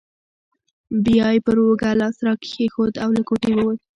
بیا یې پر اوږه لاس راکښېښود او له کوټې ووت.